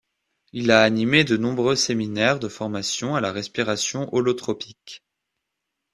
Il a animé de nombreux séminaires de formation à la respiration holotropique.